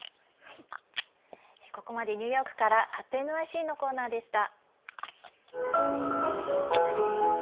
ここまでニューヨークから「＠ｎｙｃ」のコーナーでした。